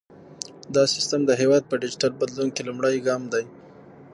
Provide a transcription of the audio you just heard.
دا سیستم د هیواد په ډیجیټل بدلون کې لومړی ګام دی۔